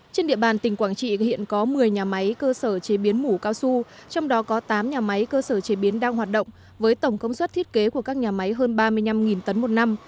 trên địa bàn tỉnh quảng trị hiện có một mươi nhà máy cơ sở chế biến mủ cao su trong đó có tám nhà máy cơ sở chế biến đang hoạt động với tổng công suất thiết kế của các nhà máy hơn ba mươi năm tấn một năm